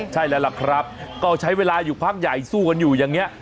ใช่แล้วล่ะครับก็ใช้เวลาอยู่พักใหญ่สู้กันอยู่อย่างนี้